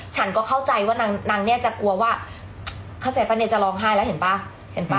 ฉันก็เข้าใจว่านางเนี่ยจะกลัวว่าเข้าใจปะเนี่ยจะร้องไห้แล้วเห็นป่ะเห็นป่